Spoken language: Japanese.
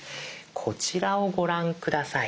こちらをご覧下さい。